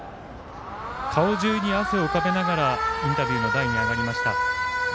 顔中に汗を浮かべながらインタビューの台に立ちました。